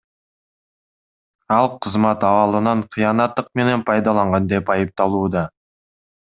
Ал кызмат абалынан кыянаттык менен пайдаланган деп айыпталууда.